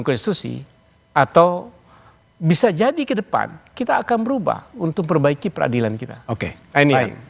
konstitusi atau bisa jadi ke depan kita akan berubah untuk perbaiki peradilan kita oke ini